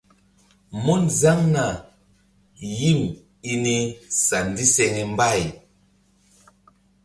Mun zaŋna yim i ni sa ndiseŋe mbay.